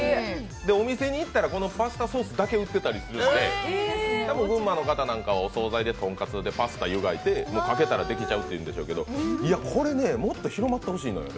店に行ったらこのパスタソースだけ売ってたりするんで群馬の方なんかはお総菜でとんかつでパスタゆがいて、かけたらできちゃうんでしょうけど、これね、もっと広まってほしいんです。